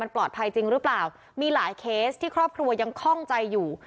ปลอดภัยจริงหรือเปล่ามีหลายเคสที่ครอบครัวยังคล่องใจอยู่